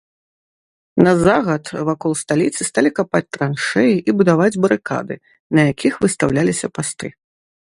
На загад вакол сталіцы сталі капаць траншэі і будаваць барыкады, на якіх выстаўляліся пасты.